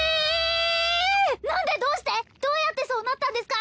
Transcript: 何でどうしてどうやってそうなったんですか？